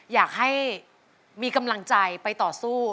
อยากให้มีกำลังใจไปต่อสู้